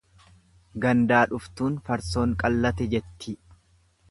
Gandaa dhuftuun farsoon qallate jetti.